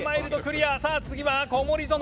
さあ次は小森園。